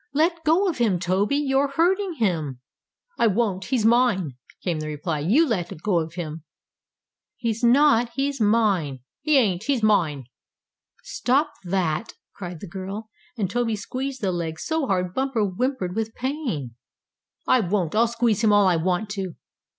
Let go of him, Toby! You're hurting him!" "I won't! He's mine!" came the reply. "You let go of him!" "He's not! He's mine!" "He ain't! He's mine!" "Stop that!" cried the girl, when Toby squeezed the legs so hard Bumper whimpered with pain. "I won't! I'll squeeze him all I want to."